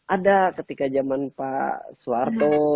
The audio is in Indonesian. ada ketika zaman pak soeharto